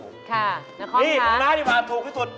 ค่ะหน้าคอมค่ะนี่ของน้าที่หวานถูกที่สุด